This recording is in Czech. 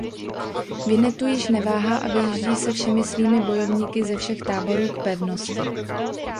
Vinnetou již neváhá a vyjíždí se všemi svými bojovníky ze všech táborů k pevnosti.